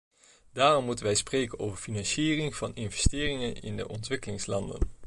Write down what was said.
Daarom moeten wij spreken over de financiering van investeringen in de ontwikkelingslanden.